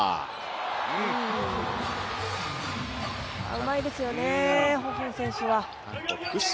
うまいですよね、ホ・フン選手は。